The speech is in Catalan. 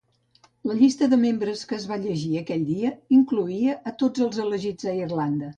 La llista de membres que es va llegir aquell dia incloïa a tots els elegits a Irlanda.